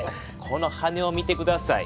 この羽を見て下さい。